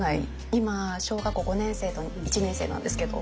今小学校５年生と１年生なんですけど。